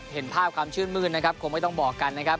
เห็นภาพความชื่นมืดนะครับคงไม่ต้องบอกกันนะครับ